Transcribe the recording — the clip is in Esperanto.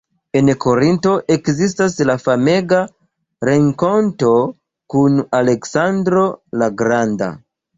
En Korinto okazis la famega renkonto kun Aleksandro la Granda.